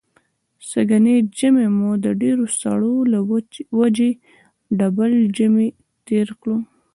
سږنی ژمی مو د ډېرو سړو له وجې ډبل ژمی تېر کړ.